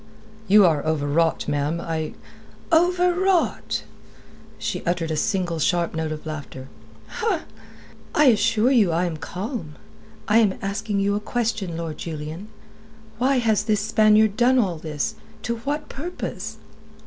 "You are overwrought, ma'am. I...." "Overwrought!" She uttered a single sharp note of laughter. "I assure you I am calm. I am asking you a question, Lord Julian. Why has this Spaniard done all this? To what purpose?"